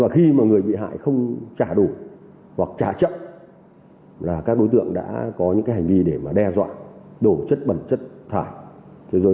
khi mà người bị hại không trả đủ hoặc trả chậm là các đối tượng đã có những hành vi để đe dọa đổ chất bẩn chất thải